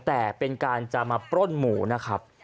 แต่เป็นการจะมาปล้นหมูนะครับ